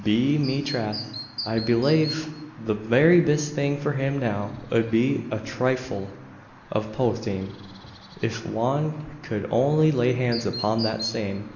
Be me trath, I belave the very bist thing for him now ud be a thrifle av potheen if wan cud only lay hands upon that same.